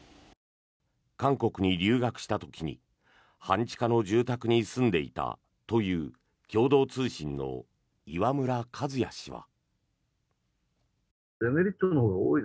韓国に留学した時に半地下の住宅に住んでいたという共同通信の磐村和哉氏は。